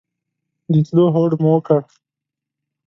د تلو هوډ مو وکړ.